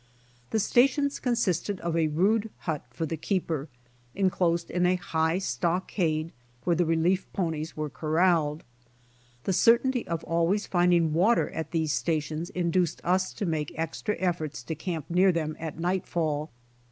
The stations consisted of a rude hut for the keeper, enclosed in a higli stockade where the relief ponies were corraled. The certainty of always finding water at these stations induced ua to make extra efforts to camp near them at night fall.